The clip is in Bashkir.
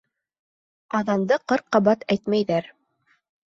Аҙанды ҡырҡ ҡабат әйтмәйҙәр.